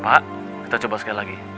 pak kita coba sekali lagi